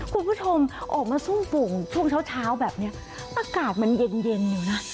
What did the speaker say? คุณผู้ชมออกมาซุ่มปุ่มช่วงเช้าแบบนี้อากาศมันเย็นเย็นอยู่นะ